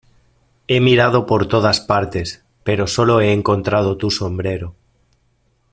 He mirado por todas partes, pero sólo he encontrado tu sombrero.